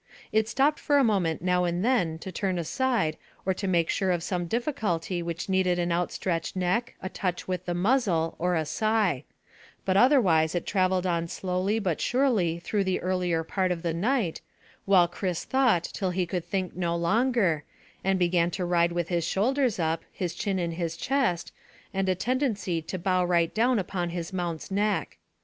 It stopped for a moment now and then to turn aside or to make sure of some difficulty which needed an outstretched neck, a touch with the muzzle, or a sigh; but otherwise it travelled on slowly but surely through the earlier part of the night, while Chris thought till he could think no longer, and began to ride with his shoulders up, his chin in his chest, and a tendency to bow right down upon his mount's neck.